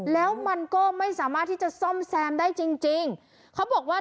แล้วมันก็ไม่สามารถที่จะซ่อมแซมได้จริงจริงเขาบอกว่า